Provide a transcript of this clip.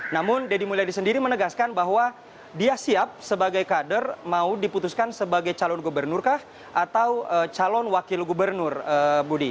namun deddy mulyadi sendiri menegaskan bahwa dia siap sebagai kader mau diputuskan sebagai calon gubernur kah atau calon wakil gubernur budi